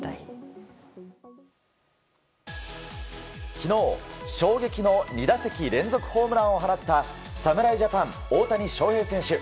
昨日、衝撃の２打席連続ホームランを放った侍ジャパン、大谷翔平選手。